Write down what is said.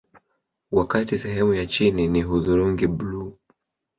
Wakati sehemu ya chini ni hudhurungi bluu